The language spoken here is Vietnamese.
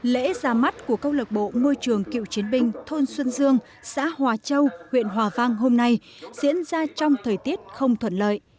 lễ ra mắt của câu lạc bộ môi trường cựu chiến binh thôn xuân dương xã hòa châu huyện hòa vang hôm nay diễn ra trong thời tiết không thuận lợi